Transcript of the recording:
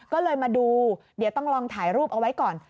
ก็เลยมาดูเดี๋ยวต้องลองถ่ายรูปเอาไว้ก่อน